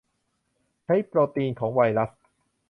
ใช้โปรตีนของไวรัส